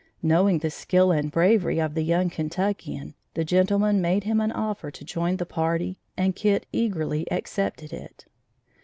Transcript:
Knowing the skill and bravery of the young Kentuckian, the gentleman made him an offer to join the party and Kit eagerly accepted it.